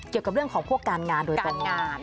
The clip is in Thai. เกี่ยวกับเรื่องของพวกการงานโดยการงาน